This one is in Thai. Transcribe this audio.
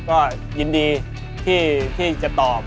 ก็ยินดีที่จะตอบ